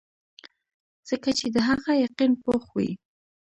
ځکه چې د هغه يقين پوخ وي -